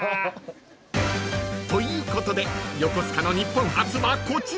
［ということで横須賀の日本初はこちら］